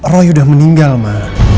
roy udah meninggal ma